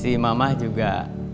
si mama juga